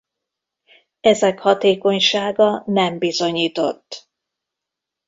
Ezek hatékonysága nem bizonyított.